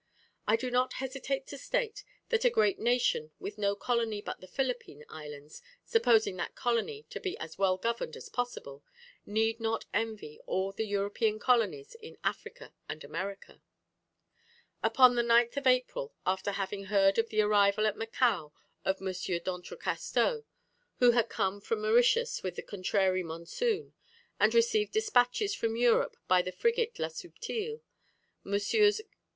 "I do not hesitate to state, that a great nation with no colony but the Philippine Islands, supposing that colony to be as well governed as possible, need not envy all the European colonies in Africa and America." Upon the 9th of April after having heard of the arrival at Macao of M. d'Entrecasteaux, who had come from Mauritius with the contrary monsoon, and received despatches from Europe by the frigate La Subtile, MM.